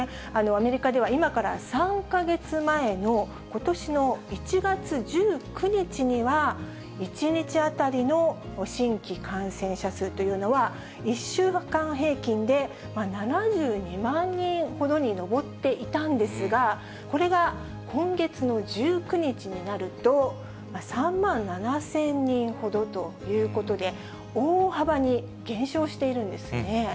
アメリカでは今から３か月前のことしの１月１９日には、１日当たりの新規感染者数というのは１週間平均で７２万人ほどに上っていたんですが、これが今月の１９日になると、３万７０００人ほどということで、大幅に減少しているんですね。